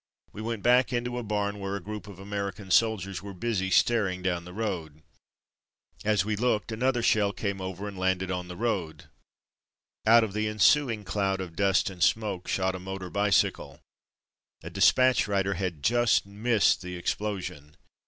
We went back into a barn where a group of American soldiers were busy staring down the road. As we looked, another shell came over and landed on the road. Out of the ensuing cloud of dust and smoke shot a motor bicycle. A dispatch rider had just missed the explosion.